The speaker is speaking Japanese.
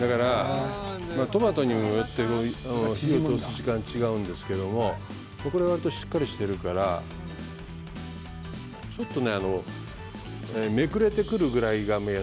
トマトによって縮む時間が違うんですけどこれはわりとしっかりしているからちょっとめくれてくるぐらいが目安。